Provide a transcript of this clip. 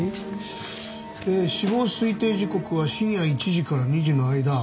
えー死亡推定時刻は深夜１時から２時の間。